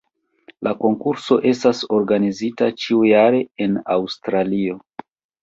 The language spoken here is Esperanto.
La konkurso estas organizita ĉiujare en Aŭstralio.